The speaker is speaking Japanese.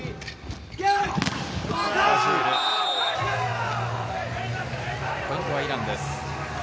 ポイントはイランです。